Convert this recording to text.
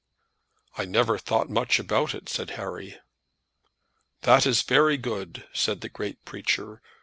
"I never thought much about it," said Harry. "That is very good," said the great preacher.